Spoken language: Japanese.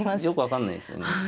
よく分かんないですよね。